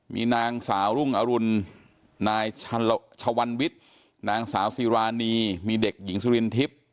มีนางสาวรุ่งอรุณนายชวันวิทย์นางสาวซีรานีมีเด็กหญิงสุรินทิพย์